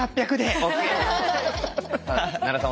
奈良さん